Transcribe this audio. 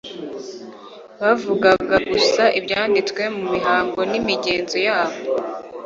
Bavugaga gusa ibyanditswe mu mihango n’imigenzo yabo,